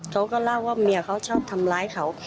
เขาก็เล่าว่าเมียเขาชอบทำร้ายเขา